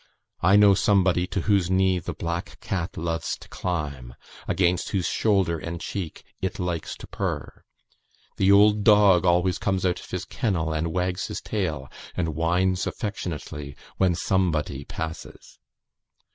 I know somebody to whose knee the black cat loves to climb, against whose shoulder and cheek it likes to purr. The old dog always comes out of his kennel and wags his tail, and whines affectionately when somebody passes."